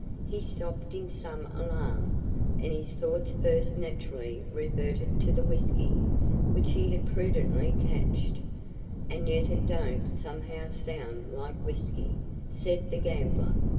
He stopped in some alarm, and his thoughts first naturally reverted to the whisky, which he had prudently cached. "And yet it don't somehow sound like whisky," said the gambler.